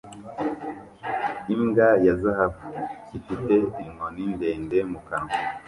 Imbwa ya zahabu ifite inkoni ndende mu kanwa